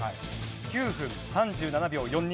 ９分３７秒４２。